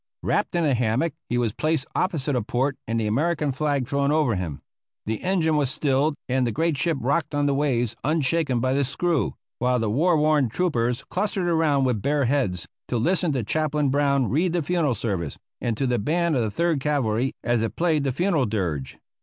Wrapped in a hammock, he was placed opposite a port, and the American flag thrown over him. The engine was stilled, and the great ship rocked on the waves unshaken by the screw, while the war worn troopers clustered around with bare heads, to listen to Chaplain Brown read the funeral service, and to the band of the Third Cavalry as it played the funeral dirge.